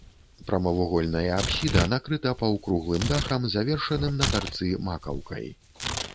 Прамавугольная апсіда накрыта паўкруглым дахам, завершаным на тарцы макаўкай.